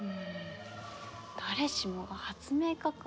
誰しもが発明家か。